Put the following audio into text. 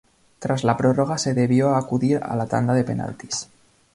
Tras la prórroga, se debió acudir a la tanda de penaltis.